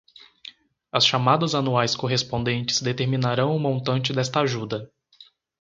As chamadas anuais correspondentes determinarão o montante desta ajuda.